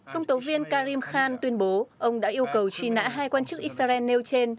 công tố viên karim khan tuyên bố ông đã yêu cầu truy nã hai quan chức israel nêu trên